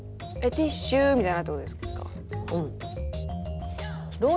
ティッシュみたいなっていう事ですか？